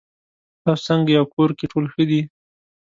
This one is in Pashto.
تاسو څنګه یې او کور کې ټول ښه دي